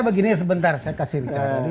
begini sebentar saya kasih bicara